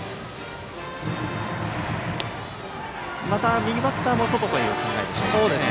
また右バッターも外という考えでしょうか。